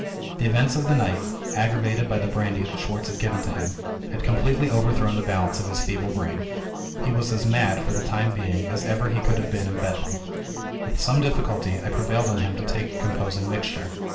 The events of the night (aggravated by the brandy that Schwartz had given to him) had completely overthrown the balance of his feeble brain. He was as mad, for the time being, as ever he could have been in Bedlam. With some difficulty, I prevailed on him to take a composing mixture.